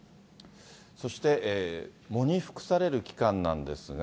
そして、喪に服される期間なんですが。